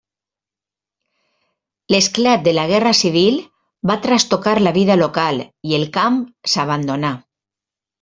L'esclat de la Guerra Civil va trastocar la vida local i el camp s'abandonà.